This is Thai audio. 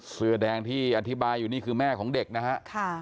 เสื้อแดงที่อธิบายอยู่นี่คือแม่ของเด็กนะฮะ